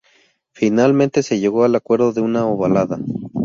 Finalmente se llegó al acuerdo de una ovalada.